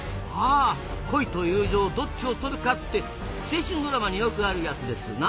あ恋と友情どっちを取るかって青春ドラマによくあるやつですな。